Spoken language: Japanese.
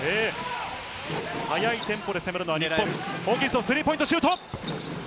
早いテンポで攻めるのは日本、ホーキンソン、スリーポイントシュート。